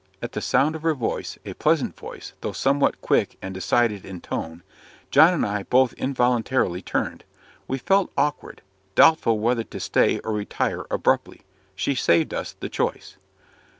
At the sound of her voice a pleasant voice, though somewhat quick and decided in tone John and I both involuntarily turned. We felt awkward! doubtful whether to stay or retire abruptly. She saved us the choice.